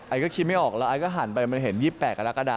ก็คิดไม่ออกแล้วไอก็หันไปมันเห็น๒๘กรกฎา